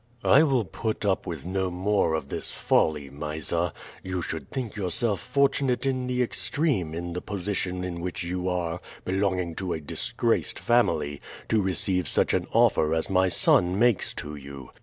"I will put up with no more of this folly, Mysa. You should think yourself fortunate in the extreme, in the position in which you are, belonging to a disgraced family, to receive such an offer as my son makes to you.